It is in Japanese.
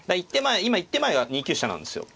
今一手前が２九飛車なんですよ。